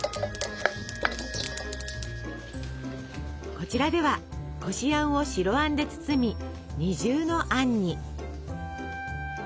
こちらではこしあんを白あんで包み二重のあんに。